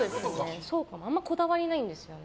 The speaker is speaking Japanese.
あんまりこだわりがないんです。